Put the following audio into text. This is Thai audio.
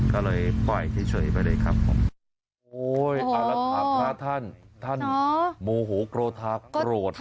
ก็เลยปล่อยเฉยไปเลยครับผมโอ้ยอรัฐพระท่านท่านเนาะมูหูโกรธาโกรธไป